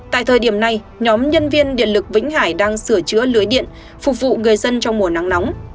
tại thời điểm này nhóm nhân viên điện lực vĩnh hải đang sửa chữa lưới điện phục vụ người dân trong mùa nắng nóng